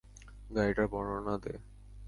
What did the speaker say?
গাড়িটার বর্ণনা দে।